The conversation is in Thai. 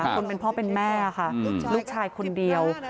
คนเป็นพ่อเป็นแม่ค่ะลูกชายคนเดียว